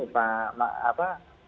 mas emil sudah divaksin